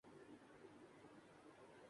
خاکوانی صاحب اور میں تو ہیں۔